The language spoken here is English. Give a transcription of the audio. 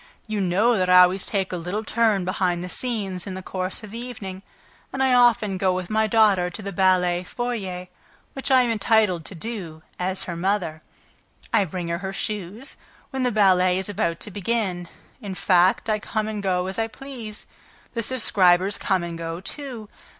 You know that I always take a little turn behind the scenes, in the course of the evening, and I often go with my daughter to the ballet foyer, which I am entitled to do, as her mother; I bring her her shoes, when the ballet is about to begin ... in fact, I come and go as I please ... The subscribers come and go too...